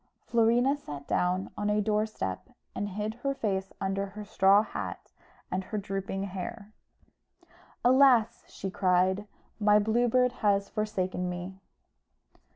Florina sat down on a door step, and hid her face under her straw hat and her drooping hair. "Alas!" she cried, "my Blue Bird has forsaken me."